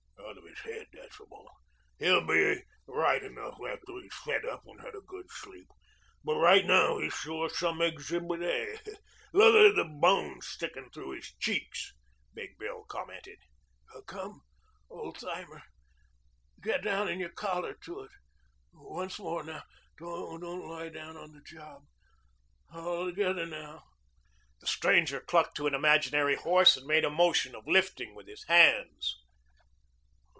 "Out of his head that's all. He'll be right enough after he's fed up and had a good sleep. But right now he's sure some Exhibit A. Look at the bones sticking through his cheeks," Big Bill commented. "Come, Old Timer. Get down in your collar to it. Once more now. Don't lie down on the job. All together now." The stranger clucked to an imaginary horse and made a motion of lifting with his hands.